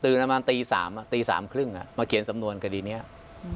ตื่นประมาณตีสามอ่ะตีสามครึ่งอ่ะมาเขียนสำนวนคดีนี้อืม